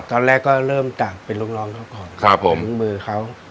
ตอนแรกก็เริ่มจากเป็นลูกน้องเขาก่อนครับผมมือเขา